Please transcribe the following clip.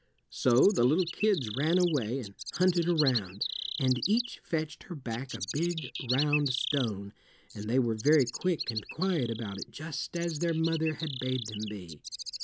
So the little kids ran away, and hunted around, and each fetched her back a big round stone, and they were very quick and quiet about it, just as their mother had bade them be.